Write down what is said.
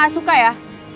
gue gak suka ya